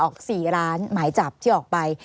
๔ล้านหมายจับที่ออกไป